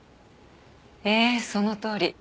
ええそのとおり。